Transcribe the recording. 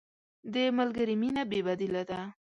د ملګري مینه بې بدیله ده.